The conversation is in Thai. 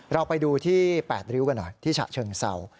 เราไปดูที่๘ริ้วกันหน่อยที่ฉะเชิงเศร้า